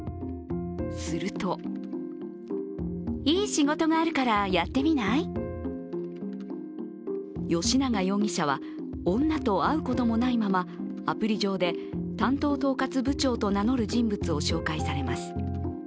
すると吉永容疑者は女と会うこともないままアプリ上で担当統括部長と名乗る人物を紹介されます。